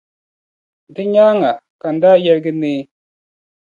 Di nyaaŋa ka n daa yirigi neei.